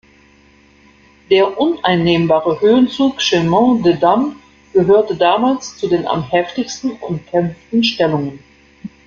Der uneinnehmbare Höhenzug Chemin des Dames gehörte damals zu den am heftigsten umkämpften Stellungen.